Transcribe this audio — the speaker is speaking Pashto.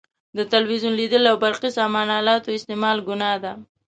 د تلویزیون لیدل او برقي سامان الاتو استعمال ګناه ده.